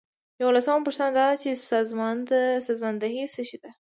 یوولسمه پوښتنه دا ده چې سازماندهي څه شی ده.